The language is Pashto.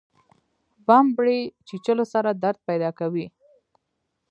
بمبړې چیچلو سره درد پیدا کوي